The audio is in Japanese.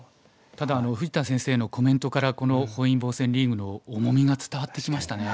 ただ富士田先生のコメントからこの本因坊戦リーグの重みが伝わってきましたね。